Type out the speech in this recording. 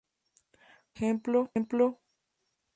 Frases de ejemplo: Ам хул алысьлаӈкве минасум.